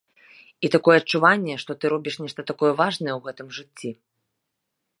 І такое адчуванне, што ты робіш нешта такое важнае ў гэтым жыцці.